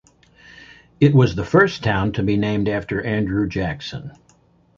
It was the first town to be named after Andrew Jackson.